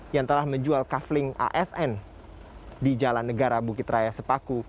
yang telah menjual kafling asn di jalan negara bukit raya sepaku